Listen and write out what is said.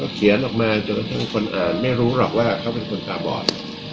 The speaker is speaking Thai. เขียนออกมาจนกระทั่งคนไม่รู้หรอกว่าเขาเป็นคนตาบอด